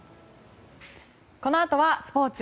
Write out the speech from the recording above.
このあとはスポーツ。